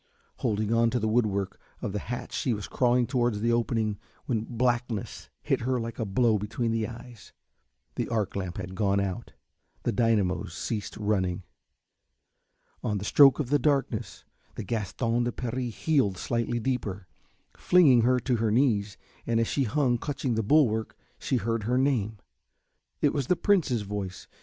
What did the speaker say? Holding on to the woodwork of the hatch she was crawling towards the opening when blackness hit her like a blow between the eyes. The arc lamp had gone out, the dynamos had ceased running. On the stroke of the darkness the Gaston de Paris heeled slightly deeper, flinging her to her knees, and as she hung, clutching the woodwork, she heard her name. It was the Prince's voice.